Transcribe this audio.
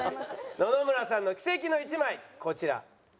野々村さんの奇跡の１枚こちら。